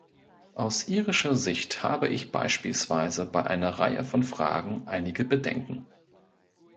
Aus irischer Sicht habe ich beispielsweise bei einer Reihe von Fragen einige Bedenken.